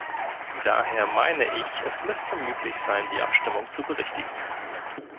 Daher meine ich, es müsste möglich sein, die Abstimmung zu berichtigen.